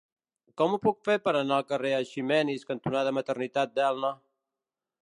Com ho puc fer per anar al carrer Eiximenis cantonada Maternitat d'Elna?